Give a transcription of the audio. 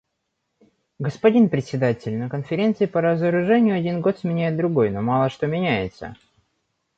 Господин Председатель, на Конференции по разоружению один год сменяет другой, но мало что меняется.